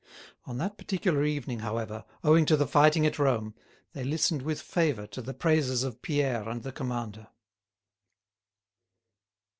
On that particular evening, however, owing to the fighting at Rome, they listened with favour to the praises of Pierre and the commander.